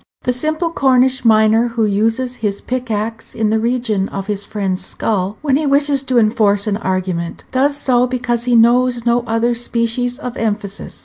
The simple Cornish miner who uses his pickaxe in the region of his friend's skull when he wishes to enforce an argument, does so because he knows no other species of emphasis.